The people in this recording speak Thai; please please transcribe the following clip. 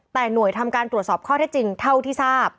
แต่หน่วยทำการตรวจสอบข้อเท็จจริงเท่าที่ทราบ